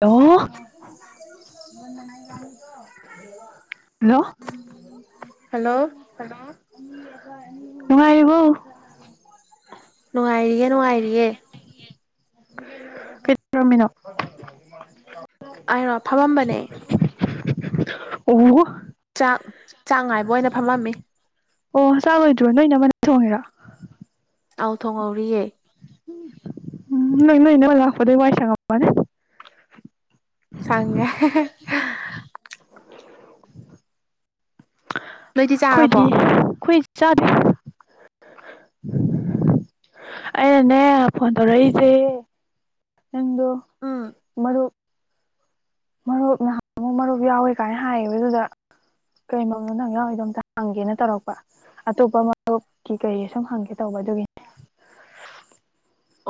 [unintelligible] hello hello ꯅꯨꯉꯥꯢꯔꯤꯕꯣ ꯅꯨꯡꯉꯥꯏꯔꯤꯌꯦ ꯅꯨꯡꯉꯥꯏꯔꯤꯌꯦ ꯀꯩ ꯇꯧꯔꯝꯃꯤꯅꯣ ꯑꯩꯔꯣ ꯐꯝꯃꯝꯕꯅꯦ ꯑꯣ ꯥꯆꯥꯛ ꯆꯥꯛ ꯉꯥꯏꯕ ꯑꯣꯏꯅ ꯐꯝꯃꯝꯃꯤ ꯑꯣ ꯆꯥꯛ ꯂꯣꯢꯗꯔꯤꯕꯣ ꯅꯣꯏ ꯢꯅꯝꯃꯅ ꯊꯣꯡꯉꯤꯔꯣ ꯑꯥꯎ ꯊꯣꯡꯍꯧꯔꯤꯌꯦ ꯎ ꯎꯝ ꯅꯣꯏ ꯅꯣꯏ ꯢ ꯢꯅꯥꯝꯃ ꯂꯥꯛꯄꯗꯩ ꯋꯥꯏ ꯁꯪꯉꯝꯃꯅꯤ ꯁꯪꯉꯦ ꯍꯥꯍꯥ ꯅꯣꯏꯗꯤ ꯆꯥꯔꯕꯣ ꯑꯩꯈꯣꯏꯗꯤ ꯑꯩꯈꯣꯏ ꯆꯥꯗꯦ ꯑꯩꯅꯅꯦ ꯐꯣꯟ ꯇꯧꯔꯛꯏꯖꯦ ꯅꯪꯗꯣ ꯎꯝ ꯃꯔꯨꯞ ꯃꯔꯨꯞ ꯅꯍꯥꯟ ꯑꯃꯨꯛ ꯃꯔꯨꯞ ꯌꯥꯎꯋꯦ ꯀꯥꯏꯅ ꯍꯥꯏꯌꯦꯕ ꯑꯗꯨꯗ ꯀꯩꯩꯅꯣꯃꯦ ꯅꯪ ꯌꯥꯎꯔꯤꯗꯣ ꯑꯝꯇ ꯍꯪꯒꯦꯅ ꯇꯧꯔꯛꯄ ꯑꯇꯣꯞꯄ ꯃꯆꯔꯨꯞꯀꯤ ꯀꯤ ꯀꯩ ꯁꯨꯝ ꯍꯪꯒꯦ ꯇꯧꯕ ꯍꯣ ꯑꯗꯨꯒꯤ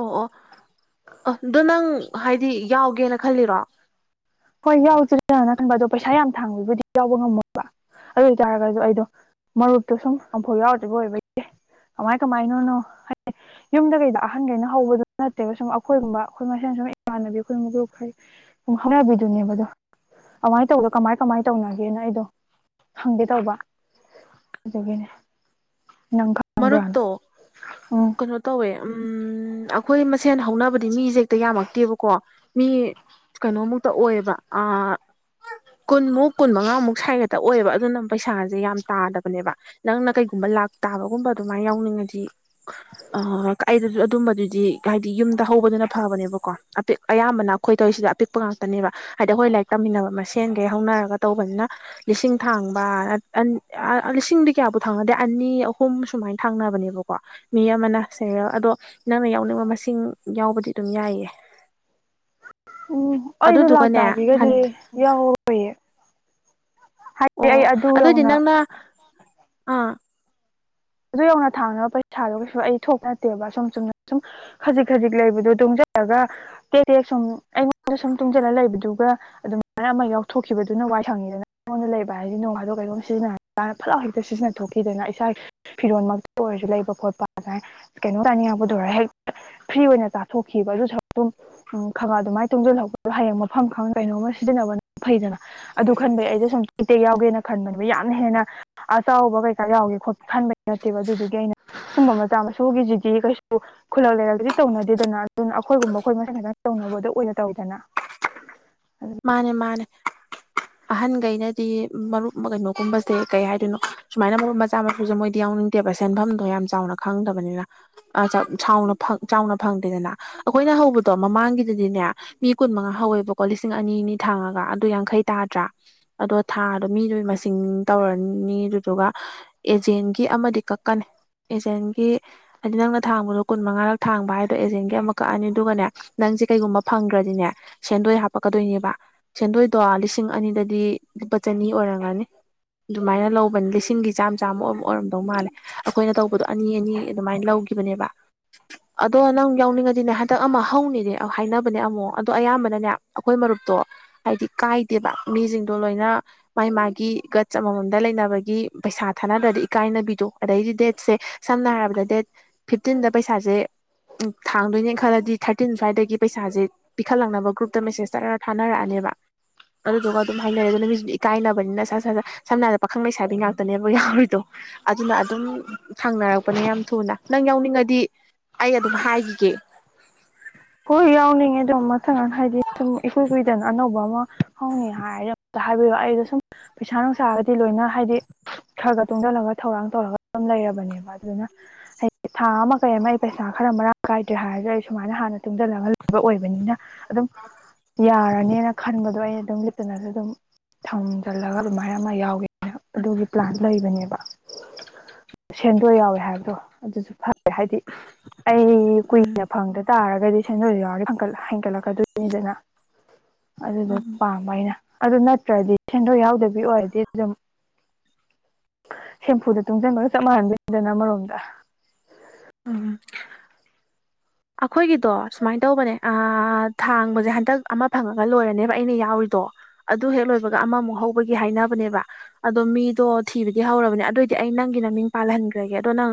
ꯑꯣ ꯑꯣ ꯑꯗꯣ ꯅꯪ ꯍꯥꯏꯗꯤ ꯌꯥꯎꯒꯦꯅ ꯈꯜꯂꯤꯔꯣ ꯍꯣꯏ ꯌꯥꯎꯖꯤꯔꯅ ꯈꯟꯕ ꯑꯗꯣ ꯄꯩꯁꯥ ꯌꯥꯝ ꯊꯥꯡꯕꯕꯨꯗꯤ ꯌꯥꯎꯕ ꯉꯝꯃꯣꯏꯕ ꯑꯗꯨ ꯑꯣꯏꯇꯥꯔꯒꯁꯨ ꯑꯩꯗꯣ ꯃꯔꯨꯞꯇꯨ ꯁꯨꯝ ꯑꯃꯐꯥꯎ ꯌꯥꯎꯗꯔꯤꯕ ꯑꯣꯏꯕꯩ ꯀꯃꯥꯏ ꯀꯃꯥꯏꯅꯅꯣ ꯍꯥꯏꯗꯤ ꯌꯨꯝꯗ ꯀꯩꯗ ꯑꯍꯟꯈꯩꯅ ꯍꯧꯕꯗꯨ ꯅꯠꯇꯦꯕ ꯁꯨꯝ ꯑꯩꯈꯣꯏꯒꯨꯝꯕ ꯑꯩꯈꯣꯏ ꯑꯁꯪ ꯑꯁꯪꯩ ꯏꯃꯥꯟꯅꯕꯤ ꯑꯈꯣꯏ ꯒꯔ꯭ꯨꯞꯈꯩ ꯍꯥꯅꯕꯤ ꯑꯗꯨꯅꯦꯕꯗꯣ ꯑꯃꯥꯏꯅ ꯇꯧꯕꯗ ꯀꯃꯥꯏ ꯀꯃꯥꯏꯅ ꯇꯧꯅꯒꯦꯅ ꯑꯩꯗꯣ ꯈꯪꯒꯦ ꯇꯧꯕ ꯑꯗꯒꯤꯅꯦ ꯅꯪ ꯈꯪꯕ꯭ꯔꯥꯅ ꯃꯔꯨꯞꯇꯣ ꯎꯝ ꯀꯩꯅꯣ ꯇꯧꯋꯦ ꯎꯝ ꯑꯩꯈꯣꯏ ꯃꯁꯦꯟ ꯍꯧꯅꯕꯗꯤ ꯃꯤꯖꯦ ꯍꯦꯛꯇ ꯌꯥꯝꯃꯛꯇꯦꯕꯀꯣ ꯃꯤ ꯀꯩꯅꯣꯃꯨꯛꯇ ꯑꯣꯏꯌꯦꯕ ꯑꯥ ꯀꯨꯟꯃꯨꯛ ꯀꯨꯟꯃꯉꯥꯃꯨꯛ ꯁꯥꯢ ꯈꯛꯇ ꯑꯣꯏꯑꯕ ꯑꯗꯨꯅ ꯄꯩꯁꯥꯁꯦ ꯌꯥꯝ ꯇꯥꯗꯕꯅꯦꯕ ꯅꯪꯅ ꯀꯩꯒꯨꯝꯕ ꯂꯥꯛ ꯇꯥꯕ ꯒꯨꯝꯕ ꯑꯗꯨꯃꯥꯏꯅ ꯌꯥꯎꯅꯤꯡꯉꯗꯤ ꯥꯑꯥ ꯑꯩꯗꯁꯨ ꯑꯗꯨꯝꯕꯗꯨꯗꯤ ꯀꯥꯚꯏꯗꯤ ꯌꯨꯝꯗ ꯍꯧꯕꯗꯨꯅ ꯐꯕ ꯕꯅꯦꯕꯀꯣ ꯑꯄꯤꯛ ꯑꯌꯥꯝꯕꯅ ꯑꯩꯈꯣꯏ ꯇꯧꯔꯤꯁꯤꯗꯤ ꯑꯄꯤꯛꯄ ꯉꯥꯛꯇꯅꯦꯕ ꯍꯥꯏꯗꯤ ꯑꯩꯈꯣꯏ ꯂꯥꯏꯔꯤꯛ ꯇꯝꯃꯤꯟꯅꯕ ꯃꯁꯦꯟꯒꯩ ꯍꯧꯅꯔꯒ ꯇꯧꯕꯅꯤꯅ ꯂꯤꯁꯤꯡ ꯊꯥꯡꯕ ꯑꯟ ꯑꯥ ꯂꯤꯁꯤꯡꯗꯤ ꯀꯌꯥꯕꯨ ꯊꯥꯡꯅꯗꯦ ꯑꯅꯤ ꯑꯍꯨꯝ ꯍꯨꯝ ꯁꯨꯃꯥꯏꯅ ꯊꯥꯡꯅꯕꯅꯦꯕꯀꯣ ꯃꯤ ꯑꯃꯅ ꯁꯦꯔꯦꯜ ꯑꯗꯣ ꯅꯪꯅ ꯌꯥꯎꯅꯤꯡꯕ ꯃꯁꯤꯡ ꯌꯥꯎꯕꯗꯤ ꯑꯗꯨꯝ ꯌꯥꯏꯌꯦ ꯎꯝ ꯑꯩꯁꯨ ꯑꯗꯨꯗꯨꯒꯅꯦ ꯍꯟ ꯂꯥꯛꯇꯥꯥꯕꯤꯒꯗꯤ ꯌꯥꯎꯔꯔꯣꯏꯌꯦ ꯑꯣ ꯑꯗꯨ ꯑꯣꯏꯗꯤ ꯌꯧꯅ ꯅꯪꯅ ꯑꯥ ꯑꯗꯨ ꯌꯧꯅ ꯊꯥꯡꯅꯕ ꯄꯩꯁꯥꯗꯣ ꯀꯩꯁꯨ ꯑꯩ ꯊꯣꯛ ꯅꯠꯇꯦꯕ ꯁꯨꯝ ꯆꯨꯝꯅ ꯁꯨꯝ ꯈꯖꯤꯛ ꯈꯖꯤꯛ ꯂꯩꯕꯗꯣ ꯇꯨꯡꯖꯟ ꯔꯒꯥ ꯇꯦꯛ ꯇꯦꯛ ꯁꯨꯝ ꯑꯩꯉꯣꯟꯗ ꯁꯨꯝ ꯇꯨꯝꯁꯤꯜꯂ ꯂꯩꯕꯗꯨꯒ ꯑꯗꯨꯃꯥꯏꯅ ꯑꯃ ꯌꯥꯎꯊꯣꯛꯈꯤꯕꯗꯨꯅ ꯋꯥꯏ ꯁꯪꯉꯤꯗꯅ ꯑꯩꯉꯣꯟꯗ ꯂꯩꯕ ꯍꯥꯏꯁꯤꯗꯤ ꯅꯣꯡ ꯐꯤꯗꯣꯛ ꯀꯩꯅꯣꯝ ꯁꯤꯖꯤꯟꯅꯔ ꯀꯥꯟꯗ ꯐꯇ ꯂꯥꯎꯅ ꯍꯦꯛꯇ ꯁꯤꯖꯤꯟꯅꯊꯣꯛꯈꯤꯗꯅ ꯏꯁꯥꯒꯤ ꯐꯤꯔꯣꯟꯜꯃꯛꯇ ꯑꯣꯏꯔꯁꯨ ꯂꯩꯕ ꯈꯣꯠꯄ ꯑꯁꯃꯥꯏ ꯀꯩꯅꯣꯝ ꯆꯥꯅꯤꯡꯉꯛꯄꯗ ꯑꯣꯏꯔꯣ ꯍꯦꯛꯇ ꯐ꯭ꯔꯤ ꯑꯣꯏꯅ ꯆꯥꯊꯣꯛꯈꯤ ꯈꯤꯕ ꯑꯗꯨ ꯁꯔꯛꯇꯨꯝ ꯎꯝ ꯈꯔꯐꯒ ꯑꯗꯨꯃꯥꯏꯅ ꯇꯨꯡꯁꯤꯜꯈꯧꯕꯗꯣ ꯍꯌꯦꯡ ꯃꯐꯝ ꯈꯪꯅ ꯀꯩꯅꯣꯝꯃ ꯁꯤꯖꯤꯟꯅꯕꯅ ꯐꯩꯗꯅ ꯑꯗꯨ ꯈꯟꯕꯒꯤ ꯑꯩꯗꯣ ꯁꯨꯝ ꯇꯦꯛꯇꯦꯛ ꯌꯥꯎꯒꯦꯅ ꯈꯟꯕꯅꯦꯕ ꯌꯥꯝꯅ ꯍꯦꯟꯅ ꯑꯆꯥꯎꯕ ꯀꯩꯀꯥ ꯌꯥꯎꯒꯦ ꯈꯣꯠ ꯈꯟꯕꯩ ꯅꯠꯇꯦꯕ ꯑꯗꯨꯗꯨꯒꯤ ꯑꯩꯅ ꯁꯨꯝꯕ ꯃꯆꯥ ꯃꯁꯨꯒꯤꯁꯤꯗꯤ ꯀꯩꯁꯨ ꯈꯨꯂꯛ ꯂꯩꯔꯦꯜꯗꯗꯤ ꯇꯧꯅꯗꯦꯗꯅ ꯑꯗꯨꯅ ꯑꯩꯈꯣꯏꯒꯨꯝꯕ ꯑꯩꯈꯣꯏ ꯃꯁꯦꯜ ꯈꯤꯇꯪ ꯇꯧꯅꯕꯗ ꯑꯣꯏꯅ ꯇꯧꯏꯗꯅ ꯃꯥꯅꯦ ꯃꯥꯅꯦ ꯑꯍꯟꯒꯩꯅꯗꯤ ꯃꯔꯨꯞ ꯀꯩꯅꯣꯒꯨꯝꯕꯁꯦ ꯀꯩ ꯍꯥꯏꯗꯣꯏꯅꯣ ꯁꯨꯃꯥꯏꯅ ꯃꯔꯨꯞ ꯃꯆꯥ ꯃꯁꯨꯨꯁꯨꯦ ꯃꯣꯏꯗꯤ ꯌꯥꯎ ꯗꯦꯕ ꯁꯦꯟꯐꯝꯗꯣ ꯌꯥꯝ ꯆꯥꯎꯅ ꯈꯪꯗꯕꯅꯤꯅ ꯆꯥꯎꯅ ꯐꯪꯗꯦꯗꯅ ꯑꯩꯈꯣꯏꯅ ꯍꯧꯕꯗꯣ ꯃꯃꯥꯡꯒꯤꯗꯗꯤꯅꯦ ꯃꯤ ꯀꯨꯟ ꯃꯉꯥ ꯍꯧꯋꯦꯕꯀꯣ ꯂꯤꯁꯤꯡ ꯑꯅꯤ ꯑꯅꯤ ꯊꯥꯡꯉꯒ ꯑꯗꯨ ꯌꯥꯡꯈꯩ ꯇꯥꯗ꯭ꯔꯥ ꯑꯗꯣ ꯊꯥꯗꯣ ꯃꯤꯗꯨꯒꯤ ꯃꯁꯤꯡ ꯇꯧꯔꯥꯅꯤ ꯑꯗꯨꯗꯨꯒ ꯑꯦꯖꯦꯟꯒꯤ ꯑꯃꯗꯤ ꯀꯛꯀꯅꯤ ꯑꯦꯖꯦꯟꯒꯤ ꯍꯥꯏꯗꯤ ꯅꯪꯅ ꯊꯥꯡꯕꯗꯣ ꯀꯨꯟ ꯃꯉꯥꯔꯛ ꯊꯥꯡꯕ ꯍꯥꯏꯗꯣ ꯑꯦꯖꯦꯟꯒꯤ ꯑꯃ ꯀꯛꯑꯅꯤ ꯑꯗꯨꯒꯅꯦ ꯅꯪ ꯖꯦ ꯀꯩꯒꯨꯝ ꯐꯪꯒ꯭ꯔꯥꯗꯤꯅꯦ ꯁꯦꯟꯗꯣꯏ ꯍꯥꯞ ꯄꯛꯀꯥꯗꯣꯏꯅꯦꯕ ꯁꯦꯟꯗꯣꯏꯗꯣ ꯂꯤꯁꯤꯡ ꯑꯅꯤꯗꯗꯤ ꯂꯨꯄꯥ ꯆꯥꯅꯤ ꯑꯣꯏꯔꯝꯒꯅꯤ ꯑꯗꯨꯃꯥꯏꯅ ꯂꯧꯕꯅꯤ ꯂꯤꯁꯤꯡꯒꯤ ꯆꯥꯝ ꯆꯥꯝꯃ ꯑꯃꯝ ꯑꯣꯏꯔ ꯑꯣꯏꯔꯝꯗꯧ ꯃꯥꯜꯂꯦ ꯑꯈꯣꯏꯅ ꯇꯧꯕꯗꯣ ꯑꯅꯤ ꯑꯅꯤ ꯑꯗꯨꯃꯥꯏꯅ ꯂꯧ ꯒꯤꯕꯅꯦꯕ ꯑꯗꯣ ꯅꯪ ꯌꯥꯎꯅꯤꯡꯉꯗꯤꯅꯦ ꯍꯟꯗꯛ ꯑꯃ ꯍꯧꯅꯤꯅꯦ ꯍꯥꯏꯅꯕꯅꯦ ꯑꯃꯨꯛ ꯑꯗꯣ ꯑꯌꯥꯝꯕꯅꯅꯦ ꯑꯈꯣꯏ ꯃꯔꯨꯞꯇꯣ ꯍꯥꯏꯗꯤ ꯀꯥꯏꯗꯦꯕ ꯃꯤꯁꯤꯡꯗꯣ ꯂꯣꯏꯅ ꯃꯥꯏ ꯃꯥꯒꯤ ꯒꯠꯖ ꯑꯃꯃꯝꯗ ꯂꯩꯅꯕꯒꯤ ꯄꯩꯁꯥ ꯊꯥꯅꯗ꯭ꯔꯥꯗꯤ ꯏꯀꯥꯏꯅꯕꯤꯗꯣ ꯑꯗꯩꯗꯤ ꯗꯦꯠꯁꯦ ꯁꯝꯅ ꯍꯥꯏꯔꯕꯗ ꯗꯦꯠ ꯐꯤꯞꯇꯤꯟꯗ ꯄꯩꯁꯥꯖꯦ ꯎꯝ ꯊꯥꯡꯗꯣꯏꯅꯦ ꯈꯜꯂꯗꯤ ꯊꯥꯔꯇꯤꯟ ꯁ꯭ꯋꯥꯏꯗꯒꯤ ꯄꯩꯁꯥꯁꯦ ꯄꯤꯈꯠꯂꯛꯅꯕ ꯒ꯭ꯔꯨꯞ ꯇ ꯃꯦꯁꯦꯁ ꯇꯔꯔꯔ ꯊꯥꯅꯔꯛꯑꯅꯦꯕ ꯑꯗꯨꯗꯨꯒ ꯑꯗꯨꯝ ꯍꯥꯏꯅꯔꯦ ꯑꯗꯨꯅ ꯃꯤꯁꯨ ꯏꯀꯥꯏꯅꯕꯅꯤꯅ ꯁꯥꯥꯠ ꯁꯥꯠ ꯁꯥꯠ ꯁꯝꯅ ꯍꯥꯏꯔꯕꯗ ꯄꯥꯈꯪ ꯂꯩꯁꯥꯕꯤ ꯉꯥꯛꯇꯅꯦꯕ ꯌꯥꯎꯔꯤꯗꯣ ꯑꯗꯨꯅ ꯑꯗꯨꯝ ꯊꯥꯡꯅꯔꯛꯄꯅꯦ ꯌꯥꯝ ꯊꯨꯅ ꯅꯪ ꯌꯥꯎꯅꯤꯡꯉꯗꯤ ꯑꯩ ꯑꯗꯨꯝ ꯍꯥꯏꯒꯤꯒꯦ ꯍꯣꯏ ꯌꯥꯎꯅꯤꯡꯉꯦ ꯑꯗꯨꯝ ꯃꯊꯪ ꯍꯥꯏꯗꯤ ꯁꯨꯝ ꯏꯀꯨꯏ ꯀꯨꯏꯗꯅ ꯑꯅꯧꯕ ꯑꯃ [inaudible] ꯍꯥꯏꯕꯤꯌꯣ ꯑꯩꯩꯗꯣ ꯁꯨꯝ ꯄꯩꯁꯥ ꯅꯨꯡꯁꯥꯒꯗꯤ ꯂꯣꯏꯅ ꯍꯥꯏꯗꯤ ꯈꯔ ꯈꯔ ꯇꯨꯡꯖꯟꯂꯒ ꯊꯧꯔꯥꯡ ꯇꯧꯔꯒ ꯗꯨꯝ ꯂꯩ ꯂꯩꯔꯕꯅꯦꯕ ꯑꯗꯨꯅ ꯍꯥꯏ ꯊꯥ ꯑꯃ ꯀꯩ ꯑꯃ ꯑꯩ ꯄꯩꯁꯥ ꯈꯔ ꯃꯔꯥꯡ ꯀꯥꯏꯗ꯭ꯔꯦ ꯍꯥꯏꯔꯁꯨ ꯑꯩ ꯁꯨꯃꯥꯏꯅ ꯍꯥꯟꯅ ꯇꯨꯡꯖꯜꯂꯒ ꯂꯩꯕ ꯑꯣꯏꯕꯅꯤꯅ ꯑꯗꯨꯝ ꯌꯥꯔꯅꯦꯅ ꯈꯟꯕꯗꯣ ꯑꯩꯅ ꯑꯗꯨꯝ ꯂꯤꯞꯇꯅꯁꯨ ꯑꯗꯨꯝ ꯊꯝꯖꯜꯂꯒ ꯑꯗꯨꯃꯥꯏꯅ ꯑꯃ ꯌꯥꯎꯒꯦꯅ ꯑꯗꯨꯒꯤ ꯄ꯭ꯂꯥꯟ ꯂꯩꯕꯅꯦꯕ ꯁꯦꯟꯗꯣꯏ ꯌꯥꯎꯑꯦ ꯍꯥꯏꯕꯗꯣ ꯑꯗꯨꯁꯨ ꯐ ꯍꯥꯏꯗꯤ ꯑꯩ ꯎꯝ ꯀꯨꯏꯅ ꯐꯪꯗ ꯇꯥꯔ ꯒꯗꯤ ꯁꯦꯟꯗꯣꯏ ꯌꯥꯎꯔꯗꯤ ꯐꯪꯀꯠ ꯍꯦꯟꯀꯠꯂꯛꯀꯗꯣꯏꯅꯤꯗꯅ ꯑꯗꯨꯗꯣ ꯎꯝ ꯄꯥꯝꯕ ꯑꯩꯅ ꯑꯗꯣ ꯅꯠꯇ꯭ꯔꯗꯤ ꯁꯦꯟꯙꯣꯏ ꯌꯥꯎꯗꯕꯤ ꯑꯣꯏꯔꯗꯤ ꯑꯗꯨꯝ ꯁꯦꯝꯐꯨꯗ ꯇꯨꯡꯁꯤꯟꯕꯒ ꯆꯞ ꯃꯥꯟꯅꯗꯣꯏꯅꯤꯗꯅ ꯑꯃꯔꯣꯝꯗ ꯎꯝ [unintelligible] ꯑꯩꯈꯣꯏꯒꯤꯗꯣ ꯁꯨꯃꯥꯏ ꯇꯧꯕꯅꯦ ꯑꯑꯑ ꯑꯑ ꯊꯥꯡꯕꯁꯦ ꯍꯟꯇꯛ ꯑꯃ ꯐꯪꯉꯒ ꯂꯣꯏꯔꯅꯦꯕ ꯑꯩꯅ ꯌꯥꯎꯔꯤꯗꯣ ꯑꯗꯨ ꯍꯦꯛ ꯂꯣꯏꯕꯒ ꯑꯃꯃꯨꯛ ꯍꯧꯕꯒꯤ ꯍꯥꯏ ꯍꯥꯏꯅꯕꯅꯦꯕ ꯑꯗꯣ ꯃꯤꯗꯣ ꯊꯤꯕꯗꯤ ꯍꯧꯔꯕꯅꯦ ꯑꯗꯨꯑꯣꯏꯗꯤ ꯑꯩ ꯅꯪꯒꯤ ꯅꯃꯤꯡ ꯄꯥꯜꯍꯟꯈ꯭ꯔꯒꯦ ꯑꯗꯣ ꯅꯪ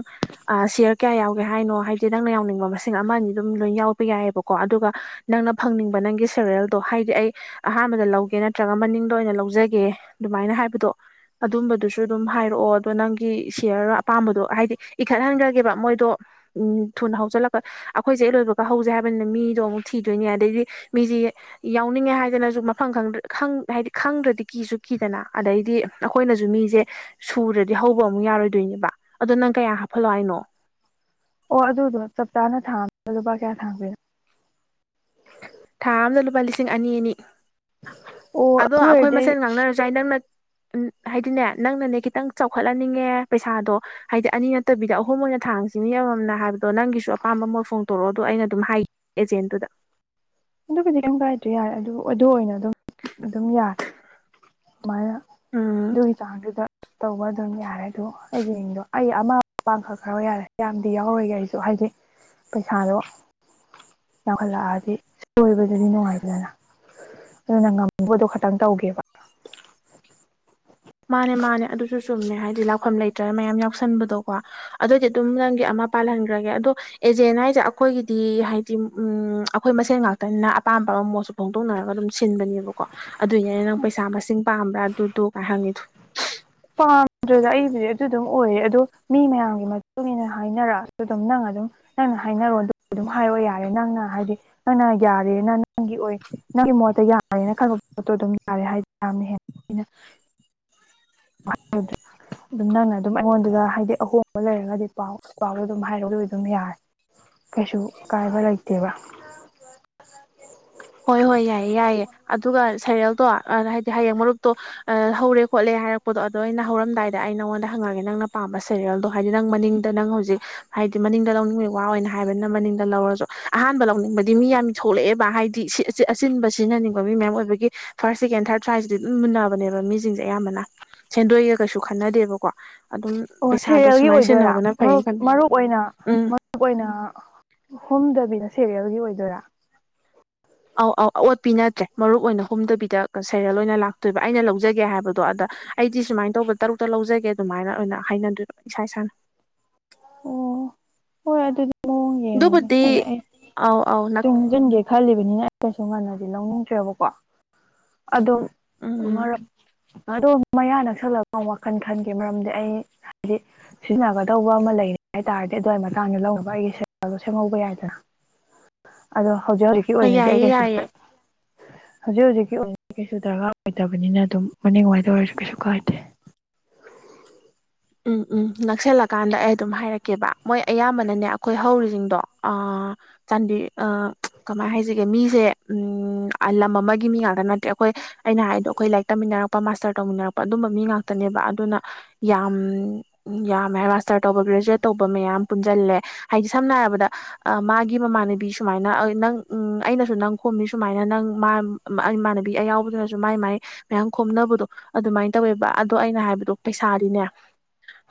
ꯑ ꯁꯤꯌꯔ ꯀꯌꯥ ꯌꯥꯎꯒꯦ ꯍꯥꯏꯅꯣ ꯍꯥꯏꯗꯤ ꯅꯪꯅ ꯌꯥꯎꯅꯤꯡꯕ ꯃꯁꯤꯡ ꯑꯃ ꯑꯅꯤ ꯑꯗꯨꯝ ꯂꯣꯏ ꯌꯥꯎ ꯌꯥꯏꯑꯕꯀꯣ ꯑꯗꯨꯒ ꯅꯪꯅ ꯐꯪꯅꯤꯡꯕ ꯅꯪꯒꯤ ꯁꯦꯔꯦꯜꯗꯣ ꯍꯥꯏꯗꯤ ꯑꯩ ꯑꯥꯍꯥꯟꯕ ꯕꯗ ꯂꯧꯒꯦ ꯅꯠꯇ꯭ꯔꯒ ꯃꯅꯤꯡꯗ ꯑꯣꯏꯅ ꯂꯧꯖꯒꯦ ꯑꯗꯨꯃꯥꯏꯅ ꯍꯥꯏꯕꯗꯣ ꯑꯗꯨꯝꯕꯗꯨꯁꯨ ꯑꯗꯨꯝ ꯍꯥꯏꯔꯛꯑꯣ ꯑꯗꯣ ꯅꯪꯒꯤ ꯁꯤꯌꯔ ꯑꯄꯥꯝꯕꯗꯣ ꯍꯥꯏꯗꯤ ꯏꯈꯠꯍꯟꯒ꯭ꯔꯒꯦꯕ ꯃꯣꯏꯗꯣ ꯎꯝ ꯊꯨꯅ ꯍꯧꯖꯜꯂꯛ ꯑꯩꯈꯣꯏꯖꯦ ꯍꯦꯛ ꯂꯣꯏꯕꯒ ꯍꯧꯖꯦ ꯍꯥꯏꯕꯅꯤꯅ ꯃꯤꯗꯣ ꯑꯃꯨꯛ ꯊꯤꯗꯣꯏꯅꯦ ꯑꯗꯩꯗꯤ ꯃꯤꯖꯤ ꯌꯥꯎꯅꯤꯡꯉꯦ ꯍꯥꯏꯒꯅ ꯖꯨ ꯃꯐꯝ ꯈꯪꯗ꯭ꯔ ꯈꯪ ꯍꯥꯏꯗꯤ ꯈꯪꯗ꯭ꯔꯗꯤ ꯀꯤꯁꯨ ꯀꯤꯗꯅꯥ ꯑꯗꯩꯗꯤ ꯑꯩꯈꯣꯏꯅꯖꯨ ꯃꯤꯖꯦ ꯁꯨ ꯗ꯭ꯔꯗꯤ ꯍꯧꯕ ꯑꯃꯨꯛ ꯌꯥꯔꯣꯏꯗꯣꯏꯅꯦꯕ ꯑꯗꯣ ꯅꯪ ꯀꯌꯥ ꯍꯥꯞꯐꯜꯂꯣ ꯍꯥꯏꯅꯣ ꯑꯣ ꯑꯗꯨꯗꯣ ꯆꯞ ꯆꯥꯅ ꯊꯥ ꯑꯝꯗ ꯂꯨꯄꯥ ꯀꯌꯥ ꯊꯥꯡꯗꯣꯏꯅꯣ ꯊꯥ ꯑꯝꯗ ꯂꯨꯄꯥ ꯂꯤꯁꯤꯡ ꯑꯅꯤ ꯑꯅꯤ ꯑꯣ ꯑꯗꯣ ꯑꯗꯨ ꯑꯈꯣꯏ ꯑꯣꯏꯔꯗꯤ ꯑꯩ ꯃꯁꯦꯟ ꯉꯥꯡꯅꯔꯖꯨ ꯌꯥꯏ ꯅꯪꯅ ꯎꯝ ꯍꯥꯏꯗꯤꯅꯦ ꯅꯪꯅꯅꯦ ꯈꯤꯇꯪ ꯆꯥꯎꯈꯠꯍꯟꯅꯤꯡꯉꯦ ꯄꯩꯁꯥꯗꯣ ꯍꯥꯏꯗꯤ ꯑꯅꯤ ꯅꯠꯇꯕꯤꯗ ꯑꯍꯨꯝ ꯑꯣꯏꯅ ꯊꯥꯡ ꯊꯥꯡꯁꯤꯅꯦ ꯃꯤ ꯑꯃꯃꯝꯅ ꯍꯥꯏꯕꯗꯣ ꯅꯪꯒꯤꯁꯨ ꯑꯄꯥꯝꯕ ꯃꯣꯠ ꯐꯣꯡꯇꯣꯔꯛꯑꯣ ꯑꯗꯣ ꯑꯩꯅ ꯑꯗꯨꯝ ꯍꯥꯏ ꯑꯦꯖꯦꯟꯗꯨꯗ ꯑꯗꯨꯕꯨꯗꯤ ꯀꯩꯝ ꯀꯥꯏꯗ꯭ꯔꯦ ꯌꯥꯔꯦ ꯑꯗꯨ ꯑꯗꯨ ꯑꯣꯏꯅ ꯑꯗꯨꯝ ꯑꯗꯨꯝ ꯌꯥ ꯁꯨꯃꯥꯏꯅ ꯎꯝ ꯑꯗꯨꯒꯤ ꯆꯥꯡꯗꯨꯗ ꯇꯧꯕ ꯑꯗꯨꯝ ꯌꯥꯔꯦ ꯑꯗꯣ ꯑꯩꯒꯤ ꯃꯤꯡꯗꯣ ꯑꯩ ꯑꯃ ꯄꯥꯡꯈꯠꯈ꯭ꯔꯣ ꯌꯥꯔꯦ ꯌꯥꯝꯗꯤ ꯌꯥꯎꯔꯣꯏꯒꯦ ꯑꯩꯖꯨ ꯍꯥꯏ ꯍꯥꯏꯗꯤ ꯄꯩꯁꯥꯗꯣ ꯌꯥꯝꯈꯠꯂꯛꯑꯥꯗꯤ ꯁꯣꯏꯕꯗꯨꯗꯤ ꯅꯨꯡꯉꯥꯏꯗꯅ ꯑꯗꯨꯅ ꯉꯝꯕꯗꯣ ꯈꯇꯪ ꯇꯧꯒꯦꯕ [inaudible] ꯃꯥꯟꯅꯦ ꯃꯥꯟꯅꯦ ꯑꯗꯨꯁꯨ ꯆꯨꯝꯃꯦ ꯍꯥꯏꯗꯤ ꯂꯥꯛꯐꯝ ꯂꯩꯇ꯭ꯔꯒ ꯃꯌꯥꯝ ꯌꯥꯎꯁꯟꯕꯗꯣꯀꯣ ꯑꯗꯨꯏꯗꯤ ꯑꯗꯨꯝ ꯅꯪꯒꯤ ꯑꯃ ꯄꯥꯜꯍꯟꯒ꯭ꯔꯒꯦ ꯑꯗꯣ ꯑꯦꯖꯦꯟ ꯍꯥꯏꯖꯦ ꯑꯈꯣꯏꯒꯤꯗꯤ ꯍꯥꯏꯗꯤ ꯎꯝ ꯑꯈꯣꯏ ꯃꯁꯦꯟ ꯉꯥꯛꯇꯅꯤꯅ ꯑꯄꯥꯝꯕ ꯑꯎ ꯃꯣꯠꯁꯨ ꯐꯣꯡꯗꯣꯛꯅꯔꯒ ꯑꯗꯨꯝ ꯁꯤꯟꯕꯅꯦꯕꯀꯣ ꯑꯗꯨꯏꯅꯦ ꯑꯩꯅ ꯅꯪ ꯄꯩꯁꯥ ꯃꯁꯤꯡ ꯄꯥꯝꯕ꯭ꯔꯥ ꯑꯗꯨꯗꯨ ꯀꯥꯏ ꯍꯪꯉꯤꯗꯣ ꯄꯥꯝꯗ꯭ꯔꯦꯗ ꯑꯩꯕꯨꯗꯤ ꯑꯗꯨ ꯑꯗꯨꯝ ꯑꯣꯏꯔꯦ ꯑꯗꯣ ꯃꯤ ꯃꯌꯥꯝꯒꯤ ꯃꯇꯨꯡꯏꯟꯅ ꯍꯥꯏꯅꯔꯛꯑꯁꯨ ꯑꯗꯨꯝ ꯅꯪ ꯑꯗꯨꯝ ꯅꯪꯅ ꯍꯥꯏꯅꯔꯣ ꯑꯗꯨꯝ ꯍꯥꯏꯔꯣ ꯌꯥꯔꯦ ꯅꯪꯅ ꯍꯥꯏꯗꯤ ꯅꯪꯅ ꯌꯥꯔꯦꯅꯥ ꯅꯪꯒꯤ ꯑꯣꯏ ꯅꯪꯒꯤ ꯃꯣꯠꯇ ꯌꯥꯔꯦꯅ ꯈꯟꯕ ꯄꯣꯠꯇꯣ ꯑꯗꯨꯝ ꯌꯥꯔꯦ ꯍꯥꯏꯗꯤ ꯌꯥꯝꯅ ꯍꯦꯟꯅ ꯑꯩꯅ [unintelligible] ꯑꯗꯨꯝ ꯅꯪꯅ ꯑꯗꯨꯝ ꯑꯩꯉꯣꯟꯗꯒ ꯍꯥꯏꯗꯤ ꯑꯍꯣꯡꯕ ꯂꯩꯔꯒꯗꯤ ꯄꯥꯎ ꯄꯥꯎꯗꯣ ꯑꯗꯨꯝ ꯍꯥꯏꯔꯛꯑꯣ ꯑꯗꯨꯏꯗꯤ ꯑꯗꯨꯝ ꯌꯥꯔꯦ ꯀꯩꯁꯨ ꯑꯀꯥꯏꯕ ꯂꯩꯇꯦꯕꯥ ꯍꯣꯏ ꯍꯣꯏ ꯌꯥꯏꯌꯦ ꯌꯥꯏꯌꯦ ꯑꯗꯨꯒ ꯁꯩꯔꯦꯜꯗꯣ ꯍꯥꯏꯗꯤ ꯍꯌꯦꯡ ꯃꯔꯨꯞꯇꯣ ꯑꯥ ꯍꯧꯔꯦ ꯈꯣꯠꯂꯦ ꯍꯥꯏꯔꯛꯄꯗꯣ ꯑꯗꯣ ꯑꯩꯅ ꯍꯧꯔꯝꯗꯥꯏꯗ ꯑꯩ ꯅꯪꯉꯣꯟꯗ ꯍꯪꯉꯛꯑꯒꯦ ꯅꯪꯅ ꯄꯥꯝꯕ ꯁꯦꯔꯤꯌꯦꯜꯗꯣ ꯍꯥꯏꯗꯤ ꯅꯪ ꯃꯅꯤꯡꯗ ꯅꯪ ꯍꯧꯖꯤꯛ ꯍꯥꯏꯗꯤ ꯃꯅꯤꯡꯗ ꯂꯧꯅꯤꯡꯕꯒꯤ ꯋꯥ ꯑꯣꯏꯅ ꯍꯥꯏꯕꯅꯤꯅ ꯃꯅꯤꯡꯗ ꯂꯧꯔꯖꯨ ꯑꯍꯥꯟꯕ ꯂꯧꯅꯤꯡꯕꯗꯤ ꯃꯤ ꯌꯥꯝ ꯊꯣꯛꯂꯛꯑꯦꯕ ꯍꯥꯏ ꯗꯤ ꯁꯤ ꯑꯆꯤꯟꯕ ꯁꯤꯖꯤꯟꯅꯅꯤꯡꯕ ꯃꯤ ꯃꯌꯥꯝ ꯑꯣꯏꯕꯒꯤ ꯐꯥꯔꯁ ꯁꯦꯀꯦꯟ ꯊꯥꯔꯠ ꯁ꯭ꯋꯥꯏꯁꯤꯗꯤ ꯑꯗꯨꯝ ꯃꯨꯟꯅꯕꯅꯦꯕ ꯃꯤꯖꯤꯡꯖꯦ ꯑꯌꯥꯝꯕꯅ ꯁꯦꯟꯗꯣꯏꯒ ꯀꯩꯁꯨ ꯈꯟꯅꯗꯦꯕꯀꯣ ꯑꯗꯨꯝ ꯑꯣ ꯄꯩꯁꯥꯗꯣ ꯁꯦꯔꯦꯜꯒꯤ ꯁꯨꯃꯥꯏꯅ ꯑꯣꯏꯗꯣꯏꯔꯥ ꯁꯤꯖꯤꯟꯅꯍꯧꯕꯅ ꯑꯣ ꯐꯩꯌꯦꯅ ꯈꯟ ꯃꯔꯨꯞ ꯑꯣꯏꯅ ꯎꯝ ꯃꯔꯨꯞ ꯑꯣꯏꯅ ꯍꯨꯝꯗꯕꯤꯗ ꯁꯦꯔꯤꯌꯦꯜꯒꯤ ꯑꯣꯏꯗꯣꯏꯔꯥ ꯑꯧ ꯑꯧ ꯑꯋꯣꯠꯄꯤ ꯅꯠꯇ꯭ꯔꯦ ꯃꯔꯨꯞ ꯑꯣꯏꯅ ꯍꯨꯝꯗꯕꯤꯗ ꯁꯦꯔꯤꯌꯦꯜ ꯑꯣꯏꯅ ꯂꯥꯛꯇꯣꯏꯕ ꯑꯩꯅ ꯂꯧꯖꯒꯦ ꯍꯥꯏꯕꯗꯣ ꯑꯗ ꯑꯩꯗꯤ ꯁꯨꯃꯥꯏ ꯇꯧꯕ ꯇꯔꯨꯛꯇ ꯂꯧꯖꯒꯦ ꯑꯗꯨꯃꯥꯏꯅ ꯑꯣꯏꯅ ꯍꯥꯏꯅꯗꯣꯏꯕ ꯏꯁꯥ ꯏꯁꯥꯅ ꯑꯣ ꯍꯣꯏ ꯑꯗꯨꯗꯤ ꯃꯑꯣꯡ ꯌꯦꯡꯉꯒꯦ ꯑꯗꯨꯕꯨꯗꯤ ꯍꯥꯏꯗꯤ ꯑꯩ ꯑꯧ ꯑꯧ ꯅꯛ ꯇꯨꯡꯖꯤꯟꯒꯦ ꯈꯜꯂꯤꯕꯅꯤꯅ ꯀꯩꯁꯨ ꯉꯟꯅꯗꯤ ꯂꯧꯅꯤꯡꯇ꯭ꯔꯦꯕꯀꯣ ꯑꯗꯣ ꯎꯝ ꯃꯔꯛ ꯑꯗꯣ ꯃꯌꯥ ꯅꯛꯁꯜꯂꯒ ꯑꯃꯨꯛ ꯋꯥꯈꯜ ꯈꯟꯒꯦ ꯃꯔꯝꯗꯤ ꯑꯩ ꯍꯥꯏꯗꯤ ꯁꯤꯖꯤꯟꯅꯒꯗꯧ ꯇꯥꯔꯗꯤ ꯑꯗꯨꯋꯥꯏ ꯃꯇꯥꯡꯗ ꯂꯧꯅꯕ ꯑꯩꯒꯤ ꯁꯦꯔꯦꯜꯗꯣ ꯁꯦꯝꯍꯧꯕ ꯌꯥꯏꯗꯅ ꯑꯗꯣ ꯍꯧꯖꯤꯛ ꯍꯧꯖꯤꯛꯀꯤ ꯍꯣꯏ ꯑꯣꯏꯅꯗꯤ ꯑꯩ ꯌꯥꯏꯌꯦ ꯀꯩꯁꯨꯝꯇ ꯌꯥꯏꯌꯦ ꯍꯧꯖꯤꯛ ꯍꯧꯖꯤꯛꯀꯤ ꯑꯣꯏꯅ ꯀꯩꯁꯨ ꯗꯔꯀꯥꯔ ꯑꯣꯏꯗꯕꯅꯤꯅ ꯑꯗꯨꯝ ꯃꯅꯤꯡ ꯋꯥꯏꯗ ꯑꯣꯏꯔꯁꯨ ꯀꯩꯁꯨ ꯀꯥꯏꯗꯦ [inaudible] ꯎꯝ ꯎꯝ ꯅꯛꯁꯜꯂꯀꯥꯟꯗ ꯑꯩ ꯑꯗꯨꯝ ꯍꯥꯏꯔꯛꯀꯦꯕ ꯃꯣꯏ ꯑꯌꯥꯝꯕꯅꯅꯦ ꯑꯩꯈꯣꯏ ꯍꯧꯔꯤꯖꯤꯡꯗꯣ ꯑꯥ ꯆꯥꯟꯕꯤ ꯑꯥ ꯀꯃꯥꯏ ꯍꯥꯏꯖꯤꯒꯦ ꯃꯤꯖꯦ ꯎꯝ ꯑꯥ ꯂꯝ ꯑꯃꯒꯤ ꯃꯤ ꯉꯥꯛꯇ ꯅꯠꯇ꯭ꯔꯦ ꯑꯩꯈꯣꯏ ꯑꯩꯅ ꯍꯥꯏꯗꯣ ꯑꯩꯈꯣꯏ ꯂꯥꯏꯔꯤꯛ ꯇꯝꯃꯤꯟꯅꯔꯛꯄ ꯃꯥꯁꯇꯔ ꯇꯧꯃꯤꯟꯅꯔꯛꯄ ꯑꯗꯨꯝꯕ ꯃꯤ ꯉꯥꯛꯇꯅꯦꯕ ꯑꯗꯨꯅ ꯌꯥꯝ ꯎꯝ ꯌꯥꯝꯃꯦ ꯍꯥꯏꯕ ꯃꯥꯁꯇꯔ ꯇꯧꯕ ꯒ꯭ꯔꯦꯖꯨꯋꯦꯠ ꯇꯧꯕ ꯃꯌꯥꯝ ꯄꯨꯟꯖꯜꯂꯦ ꯍꯥꯏꯗꯤ ꯁꯝꯅ ꯍꯥꯏꯔꯕꯗ ꯑꯥ ꯃꯥꯒꯤ ꯃꯃꯥꯟꯅꯕꯤ ꯁꯨꯃꯥꯏꯅ ꯑꯥ ꯅꯪ ꯎꯝ ꯑꯩꯅꯁꯨ ꯅꯪ ꯈꯣꯝꯃꯤ ꯁꯨꯃꯥꯏꯅ ꯅꯪ ꯃꯥ ꯏꯃꯥꯟꯅꯕꯤ ꯌꯥꯎꯕꯗꯨꯅꯖꯨ ꯃꯥꯏ ꯃꯥꯏ ꯃꯌꯥꯝ ꯈꯣꯝꯅꯕꯗꯣ ꯑꯗꯨꯃꯥꯏ ꯇꯧꯋꯦꯕ ꯑꯗꯣ ꯑꯩꯅ ꯍꯥꯏꯕꯗꯣ ꯄꯩꯁꯥꯗꯤꯅꯦ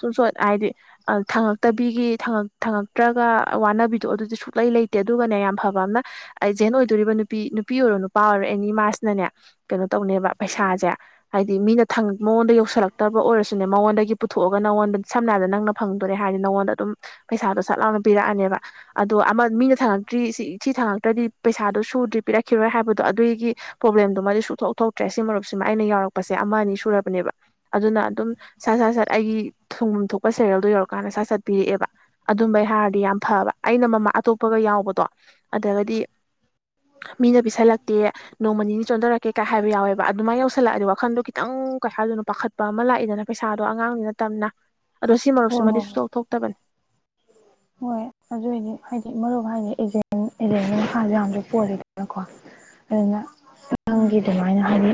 ꯁꯨꯡꯁꯣꯏ ꯍꯥꯏꯗꯤ ꯑꯥ ꯊꯥꯡꯉꯛꯇꯕꯤꯒꯤ ꯊꯡꯉꯛ ꯊꯥꯡꯉꯛꯇ꯭ꯔꯒ ꯋꯥꯅꯕꯤꯗꯣ ꯑꯗꯨꯗꯤ ꯁꯨꯛ ꯂꯩ ꯂꯩꯇꯦ ꯑꯗꯨꯒꯅꯦ ꯌꯥꯝ ꯐꯕ ꯑꯝꯅ ꯑꯩꯖꯦꯟ ꯑꯣꯏꯗꯣꯔꯤꯕ ꯅꯨꯄꯤ ꯅꯨꯄꯤ ꯑꯣꯏꯔꯣ ꯅꯨꯄꯥ ꯑꯣꯏꯔꯣ ꯑꯦꯅꯤ ꯃꯥꯁꯤꯅꯅꯦ ꯀꯩꯅꯣ ꯇꯧꯅꯦꯕ ꯄꯩꯁꯥꯁꯦ ꯍꯥꯏꯗꯤ ꯃꯤꯅ ꯊꯡ ꯃꯉꯣꯟꯗ ꯌꯧꯁꯤꯜꯂꯛꯇꯕ ꯑꯣꯏꯔꯁꯨꯅꯦ ꯃꯉꯣꯟꯗꯒꯤ ꯄꯨꯊꯣꯛꯑꯒ ꯅꯉꯣꯟꯗ ꯁꯝꯅ ꯍꯥꯏꯔꯕꯗ ꯅꯪꯅ ꯐꯪꯗꯣꯔꯦ ꯍꯥꯏꯔꯗꯤ ꯅꯉꯣꯟꯗ ꯑꯗꯨꯝ ꯄꯩꯁꯥꯗꯣ ꯁꯠ ꯂꯥꯎꯅ ꯄꯤꯔꯛꯑꯅꯦꯕ ꯑꯗꯣ ꯑꯃ ꯃꯤꯅ ꯊꯥꯡꯉꯛꯇ꯭ꯔꯤ ꯁꯤ ꯁꯤ ꯊꯪꯥꯡꯉꯛꯇ꯭ꯔꯗꯤ ꯄꯩꯁꯥꯗꯣ ꯁꯨꯗ꯭ꯔꯤ ꯄꯤꯔꯛꯈꯤꯔꯣꯏ ꯍꯥꯏꯕꯗꯣ ꯑꯗꯨꯒꯤ ꯄ꯭ꯔꯣꯕ꯭ꯂꯦꯝꯗꯣ ꯃꯗꯤ ꯁꯨꯛꯊꯣꯛ ꯊꯣꯛꯇ꯭ꯔꯦ ꯁꯤ ꯃꯔꯨꯞꯁꯤꯃ ꯑꯩꯅ ꯌꯥꯎꯔꯛꯄꯁꯦ ꯑꯃ ꯑꯅꯤ ꯁꯨꯔꯕꯅꯦꯕ ꯑꯗꯨꯅ ꯑꯗꯨꯝ ꯁꯠ ꯁꯠ ꯁꯠ ꯑꯩꯒꯤ ꯊꯨꯡꯐꯝ ꯊꯣꯛꯄ ꯁꯦꯔꯦꯜꯗꯣ ꯌꯧꯔꯀꯥꯟꯗ ꯁꯠ ꯁꯠ ꯄꯤꯔꯛꯑꯦꯕ ꯑꯗꯨꯝꯕꯩ ꯍꯥꯏꯔꯗꯤ ꯌꯥꯝ ꯐꯕ ꯑꯩꯅ ꯃꯃꯥꯡ ꯑꯇꯣꯞꯄꯒ ꯌꯥꯎꯕꯗꯣ ꯑꯗꯒꯗꯤ ꯃꯤꯅ ꯄꯤꯁꯜꯂꯛꯇꯦ ꯅꯣꯡꯃ ꯅꯤꯅꯤ ꯆꯣꯟꯊꯔꯛꯀꯦ ꯀꯥꯏ ꯍꯥꯏꯕ ꯌꯥꯎꯋꯦꯕ ꯑꯗꯨꯃꯥꯏꯅ ꯌꯧꯁꯜꯂꯛꯑꯗꯤ ꯋꯥꯈꯟꯗꯣ ꯈꯤꯇꯪ ꯇꯪ ꯀꯩꯍꯥꯢꯗꯣꯢꯅꯣ ꯄꯥꯈꯠꯄ ꯑꯃ ꯂꯥꯛꯏꯗꯅ ꯄꯩꯁꯥꯗꯣ ꯑꯉꯥꯡꯗꯤ ꯅꯠꯇꯝꯅ ꯑꯗꯣ ꯁꯤ ꯍꯣꯏ ꯃꯔꯨꯞꯁꯤꯃꯗꯤ ꯍꯣꯏ ꯁꯨꯊꯣꯛ ꯊꯣꯛꯇꯕꯅꯦ ꯍꯣꯏ ꯑꯗꯨꯏꯗꯤ ꯍꯥꯏꯗꯤ ꯃꯔꯨꯞ ꯍꯥꯏꯗꯤ ꯑꯦꯖꯦꯟ ꯑꯦꯖꯦꯟꯒꯤ ꯃꯈꯥꯁꯨ ꯌꯥꯝꯗꯤ ꯄꯣꯜꯂꯤꯗꯅꯀꯣ ꯑꯗꯨꯅ ꯎꯝ ꯅꯪꯒꯤ ꯑꯗꯨꯃꯥꯏꯅ ꯍꯥꯏꯗꯤ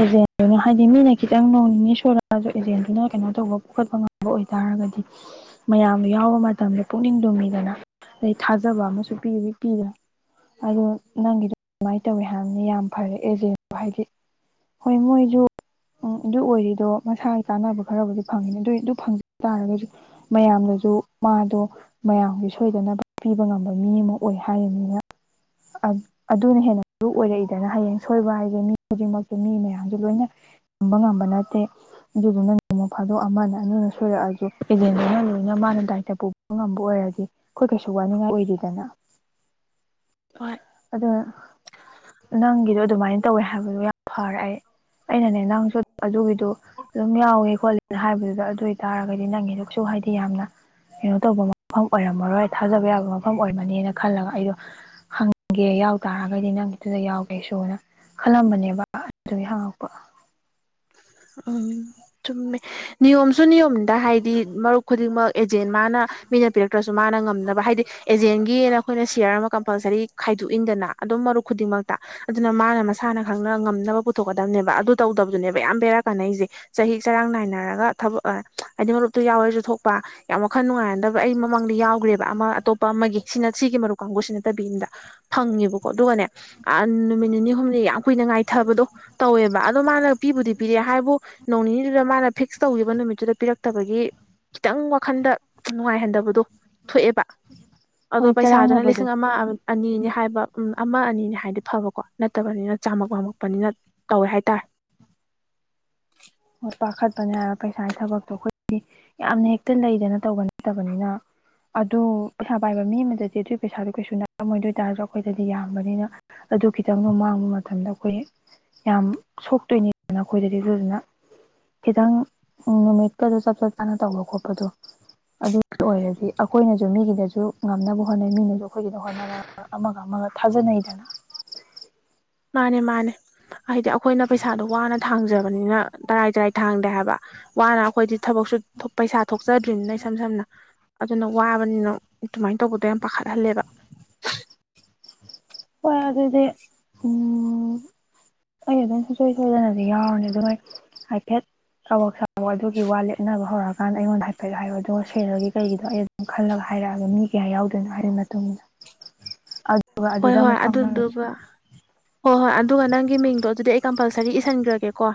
ꯑꯦꯖꯦꯟꯗꯨꯅ ꯍꯥꯏꯗꯤ ꯃꯤꯅ ꯈꯤꯇꯪ ꯅꯣꯡ ꯅꯤꯅꯤ ꯁꯣꯏꯔꯛꯑꯁꯨ ꯑꯦꯖꯦꯟꯗꯨꯅ ꯀꯩꯅꯣ ꯇꯧꯕ ꯐꯨꯀꯠꯄ ꯉꯝꯕ ꯑꯣꯏꯇꯥꯔ ꯇꯔꯒꯗꯤ ꯃꯌꯥꯝꯗꯣ ꯌꯥꯎꯕ ꯃꯇꯝꯗ ꯄꯨꯛꯅꯤꯡ ꯂꯨꯝꯃꯤꯗꯅ ꯑꯗꯩ ꯊꯥꯖꯕ ꯑꯃꯁꯨ ꯄꯤ ꯄꯤꯗꯅ ꯑꯗꯣ ꯅꯪꯒꯤꯗꯣ ꯑꯗꯨꯃꯥꯏꯅ ꯇꯧꯋꯤ ꯍꯥꯏꯔꯝꯅꯤꯅ ꯌꯥꯝ ꯐꯔꯦ ꯑꯦꯖꯦꯟꯗꯣ ꯍꯥꯏꯗꯤ ꯍꯣꯏ ꯃꯣꯏꯖꯨ ꯎꯝ ꯑꯗꯨ ꯑꯣꯏꯔꯤꯗꯣ ꯃꯁꯥꯒꯤ ꯀꯥꯟꯅꯕ ꯈꯔꯕꯨꯗꯤ ꯐꯪꯉꯤꯅꯦ ꯑꯗꯨꯏ ꯑꯗꯨ ꯐꯪꯖ ꯇꯥꯔꯒꯁꯨ ꯃꯌꯥꯝꯅ ꯖꯨ ꯃꯥꯗꯣ ꯃꯌꯥꯝꯒꯤ ꯁꯣꯏꯗꯅ ꯄꯤꯕ ꯉꯝꯕ ꯃꯤ ꯑꯃ ꯑꯣꯏ ꯍꯥꯏꯔꯤꯕꯅꯤꯅ ꯑꯗ ꯑꯗꯨꯅ ꯍꯦꯟꯅ ꯃꯔꯨ ꯑꯣꯏꯔꯛꯏꯗꯅ ꯍꯌꯦꯡ ꯁꯣꯏꯕ ꯍꯥꯏꯁꯦ ꯃꯤ ꯈꯨꯗꯤꯡꯃꯛꯇꯨ ꯃꯤ ꯃꯌꯥꯝꯁꯦ ꯂꯣꯏꯅ ꯇꯝꯕ ꯉꯝꯕ ꯅꯠꯇꯦ ꯑꯗꯨꯗꯨꯅ ꯅꯣꯡꯃ ꯐꯥꯗꯣꯛ ꯑꯃꯅ ꯑꯅꯤꯅ ꯁꯣꯏꯨꯔꯛꯑꯁꯨ ꯑꯦꯖꯦꯟꯗꯨꯅ ꯃꯥꯅ ꯗꯥꯏꯇ ꯄꯨ ꯉꯝꯕ ꯑꯣꯏꯔꯗꯤ ꯑꯩꯈꯣꯏ ꯀꯩꯁꯨ ꯋꯥꯅꯤꯡꯉꯥꯏ ꯑꯣꯏꯗꯦꯗꯅ ꯍꯣꯏ ꯑꯗꯨꯅ ꯅꯪꯒꯤꯗꯣ ꯑꯗꯨꯃꯥꯏꯅ ꯇꯧꯋꯦ ꯍꯥꯏꯕꯗꯣ ꯌꯥꯝ ꯐꯔꯦ ꯑꯩ ꯑꯩꯅꯅꯦ ꯅꯪꯁꯨ ꯑꯗꯨꯒꯤꯗꯣ ꯑꯗꯨꯝ ꯌꯥꯎꯋꯦ ꯈꯣꯠꯂꯦ ꯍꯥꯏꯕꯗꯨꯗ ꯑꯗꯨ ꯑꯣꯏꯇꯥꯔꯒꯗꯤ ꯅꯪꯒꯤꯗꯨ ꯁꯨ ꯍꯥꯏꯗꯤ ꯌꯥꯝꯅ ꯀꯩ ꯇꯧꯕ ꯃꯐꯝ ꯑꯣꯏꯔꯝꯃꯔꯣꯏ ꯊꯥꯖꯕ ꯌꯥꯕ ꯃꯐꯝ ꯑꯣꯏꯃꯅꯤꯅ ꯈꯜꯂꯒ ꯑꯩꯗꯣ ꯍꯪꯒꯦ ꯌꯥꯎ ꯇꯥꯔ ꯌꯥꯔꯒꯗꯤ ꯅꯪꯒꯤꯗꯨꯗ ꯌꯥꯎꯒꯦ ꯑꯩꯁꯨꯅ ꯈꯜꯂꯝꯕꯅꯦꯕ ꯑꯗꯨꯒꯤ ꯍꯪꯉꯛꯄ ꯎꯝ ꯆꯨꯝꯃꯦ ꯅꯤꯌꯣꯝꯁꯨ ꯅꯤꯌꯣꯝꯅꯤꯗ ꯍꯥꯏꯗꯤ ꯃꯔꯨꯞ ꯈꯨꯗꯤꯡꯃꯛ ꯑꯦꯖꯦꯟ ꯃꯥꯅ ꯃꯤꯅ ꯄꯤꯔꯛꯇ꯭ꯔꯁꯨ ꯃꯥꯅ ꯉꯝꯅꯕ ꯍꯥꯏꯗꯤ ꯑꯦꯖꯦꯟꯒꯤꯅ ꯑꯩꯈꯣꯏꯅ ꯁꯤꯌꯔ ꯑꯃ ꯀꯝꯄꯜꯁ ꯔꯤ ꯈꯥꯏꯗꯣꯛꯏꯟꯗꯅ ꯑꯗꯨꯝ ꯃꯔꯨꯞ ꯈꯨꯗꯤꯡꯃꯛꯇ ꯑꯗꯨꯅ ꯃꯥꯅ ꯃꯁꯥꯅ ꯈꯪꯅ ꯉꯝꯅꯕ ꯄꯨꯊꯣꯛꯀꯗꯝꯅꯦꯕ ꯑꯗꯨ ꯇꯧꯗꯕꯗꯨꯅꯦꯕ ꯃꯌꯥꯝ ꯕꯦꯔꯥ ꯀꯥꯟꯅꯩꯖꯦ ꯆꯍꯤꯛ ꯆꯔꯥꯡ ꯅꯥꯏꯅꯔꯒ ꯊꯕꯛ ꯑꯥ ꯍꯥꯏꯗꯤ ꯃꯔꯨꯞꯇꯨ ꯌꯥꯎꯔꯦꯁꯨ ꯊꯣꯛꯄ ꯌꯥꯝ ꯋꯥꯈ ꯈꯜ ꯅꯨꯡꯉꯥꯏꯅꯗꯕ ꯑꯩ ꯃꯃꯥꯡꯗ ꯌꯥꯎꯒ꯭ꯔꯦꯕ ꯑꯃ ꯑꯇꯣꯞꯄ ꯑꯃꯒꯤ ꯁꯤꯅ ꯁꯤꯒꯤ ꯃꯔꯨꯞ ꯀꯥꯡꯕꯨꯁꯤ ꯅꯠꯇꯕꯤꯅꯤꯗ ꯉꯦꯕꯀꯣ ꯑꯗꯨꯒꯅꯦ ꯑꯥ ꯅꯨꯃꯤꯠ ꯅꯤꯅꯤ ꯍꯨꯝꯅꯤ ꯌꯥꯝ ꯀꯨꯏ ꯉꯥꯏꯊꯕꯗꯣ ꯇꯧꯋꯦꯕ ꯑꯗꯣ ꯃꯥꯅ ꯄꯤꯕꯨꯗꯤ ꯄꯤꯔꯛꯑꯦ ꯍꯥꯏꯕꯨ ꯅꯣꯡ ꯅꯤꯅꯤꯗꯨꯗ ꯃꯥꯅ ꯐꯤꯛꯁ ꯇꯧꯈꯤꯕ ꯅꯨꯃꯤꯠꯇꯨꯗ ꯄꯤꯔꯛꯇꯕꯒꯤ ꯈꯤꯇꯪ ꯋꯥꯈꯟꯗ ꯅꯨꯡꯉꯥꯏꯍꯟꯗꯕꯗꯣ ꯊꯣꯛꯑꯦꯕ ꯑꯗꯣ ꯍꯣꯏ ꯄꯩꯁꯥꯗꯨꯅ ꯆꯔꯥꯡꯅꯕꯗꯣ ꯂꯤꯁꯤꯡ ꯑꯃ ꯑꯅꯤꯅꯤ ꯍꯥꯏꯕ ꯃ ꯑꯃ ꯑꯅꯤꯅꯦ ꯍꯥꯏꯗꯤ ꯐꯕꯀꯣ ꯅꯠꯇꯕꯅꯤꯅ ꯆꯥꯝꯃꯛ ꯄꯥꯝꯃꯛꯄꯅꯤꯅ ꯇꯧꯋꯦ ꯍꯥꯏꯇꯥꯔꯦ ꯄꯥꯈꯠꯄꯅꯦ ꯍꯥꯏꯕ ꯄꯩꯁꯥꯒꯤ ꯊꯕꯛꯇꯣ ꯑꯩꯈꯣꯏꯗꯤ ꯌꯥꯝꯅ ꯍꯦꯛꯇ ꯂꯩꯗꯅ ꯇꯧꯕ ꯅꯠꯇꯕꯅꯤꯅ ꯑꯗꯨ ꯄꯩꯁꯥ ꯄꯥꯏꯕ ꯃꯤ ꯑꯃꯗꯗꯤ ꯑꯗꯨꯒꯤ ꯄꯩꯁꯥꯗꯣ ꯀꯩꯁꯨ ꯅꯠꯂꯝꯃꯣꯏ ꯑꯗꯨ ꯑꯣꯏꯇꯥꯔꯁꯨ ꯑꯩꯈꯣꯏꯗꯗꯤ ꯌꯥꯝꯕꯅꯤꯅ ꯑꯗꯨ ꯈꯤꯇꯪꯗ ꯃꯥꯡꯕ ꯃꯇꯝꯗ ꯑꯩꯈꯣꯏ ꯌꯥꯝ ꯁꯣꯛꯇꯣꯏꯅꯤ ꯑꯩꯈꯣꯏꯗꯗꯤ ꯑꯗꯨꯗꯨꯅ ꯈꯤꯇꯪ ꯅꯨꯃꯤꯠꯀꯥꯗꯣ ꯆꯞ ꯆꯞ ꯆꯥꯅ ꯇꯧꯕ ꯈꯣꯠꯄꯗꯣ ꯑꯗꯨꯒꯤ ꯑꯣꯏꯔꯗꯤ ꯑꯩꯈꯣꯏꯅꯁꯨ ꯗꯨꯨ ꯃꯤꯒꯤꯗꯁꯨ ꯉꯝꯅꯕ ꯍꯣꯠꯅꯩ ꯃꯤꯅꯁꯨ ꯑꯩꯈꯣꯏꯒꯤꯗ ꯍꯣꯠꯅꯔ ꯑꯃꯒ ꯑꯃꯒ ꯊꯥꯖꯅꯩꯗꯅ [inaudible] ꯃꯥꯅꯦ ꯃꯥꯅꯦ ꯍꯥꯏꯗꯤ ꯑꯩꯈꯣꯏꯅ ꯄꯩꯁꯥꯗꯣ ꯋꯥꯅ ꯊꯥꯡꯖꯕꯅꯤꯅ ꯇꯔꯥꯏ ꯇꯔꯥꯏ ꯊꯥꯡꯗꯦ ꯍꯥꯏꯕ ꯋꯥꯅ ꯑꯩꯈꯣꯏꯗꯤ ꯊꯕꯛꯁꯨ ꯊꯨꯞ ꯄꯩꯁꯥ ꯊꯣꯛꯆꯗ꯭ꯔꯤꯅꯤꯅ ꯏꯁꯝ ꯁꯝꯅ ꯑꯗꯨꯅ ꯋꯥꯕꯅꯤꯅ ꯑꯗꯨꯃꯥꯏꯅ ꯇꯧꯕꯗꯣ ꯌꯥꯝ ꯄꯥꯈꯠꯍꯜꯂꯦꯕ ꯍꯣꯏ ꯑꯗꯨꯗꯤ ꯎꯝ ꯑꯩ ꯑꯗꯨꯝ ꯁꯨꯛꯁꯣꯏ ꯁꯣꯏꯗꯅꯗꯤ ꯌꯥꯎꯔꯅꯤ ꯑꯗꯨ ꯑꯩ ꯍꯥꯏꯐꯦꯠ ꯀꯥꯕꯣꯛ ꯁꯥꯕꯣꯛ ꯑꯗꯨꯒꯤ ꯋꯥ ꯂꯦꯞꯅꯕ ꯍꯧꯔꯛꯑꯀꯥꯟꯗ ꯑꯩꯉꯣꯟꯗ ꯍꯥꯏꯐꯦꯠ ꯍꯥꯏꯔꯛꯑꯣ ꯑꯗꯨꯒ ꯁꯦꯔꯦꯜꯒꯤ ꯀꯩꯒꯤꯗꯣ ꯑꯩ ꯑꯗꯨꯝ ꯈꯜꯂꯒ ꯍꯥꯏ ꯍꯥꯏꯔꯛꯑꯒꯦ ꯃꯤ ꯀꯌꯥ ꯌꯥꯎꯗꯣꯏꯅꯣ ꯍꯥꯏꯕꯒꯤ ꯃꯇꯨꯡ ꯢꯟꯅ ꯍꯣꯏ ꯍꯣꯏ ꯑꯗꯨꯗꯨꯒ ꯍꯣꯏ ꯍꯣꯏ ꯑꯗꯨꯒ ꯅꯪꯒꯤ ꯃꯤꯡꯗꯣ ꯑꯗꯨꯗꯤ ꯑꯩ ꯀꯝꯄꯜꯁꯔꯤ ꯏꯁꯤꯟꯈ꯭ꯔꯒꯦ ꯀꯣ